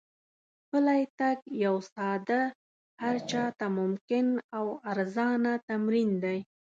پلی تګ یو ساده، هر چا ته ممکن او ارزانه تمرین دی.